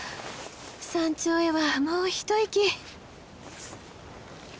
山頂へはもう一息。